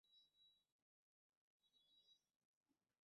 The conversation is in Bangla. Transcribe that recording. স্যার, এটা কুমার নামে কাউকে পাঠানো হয়েছে।